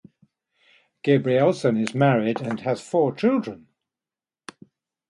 Gabrielsen is married and has four children.